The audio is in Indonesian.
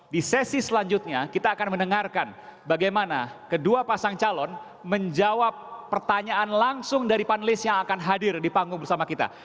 di sesi selanjutnya kita akan mendengarkan bagaimana kedua pasang calon menjawab pertanyaan langsung dari panelis yang akan hadir di panggung bersama kita